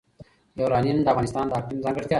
یورانیم د افغانستان د اقلیم ځانګړتیا ده.